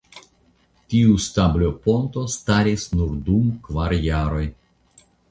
Tiu stabloponto staris nur dum kvar jaroj.